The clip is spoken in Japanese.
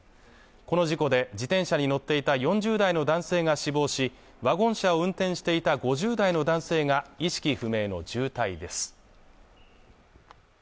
この事故で自転車に乗っていた４０代の男性が死亡しワゴン車を運転していた５０代の男性が意識不明の重体です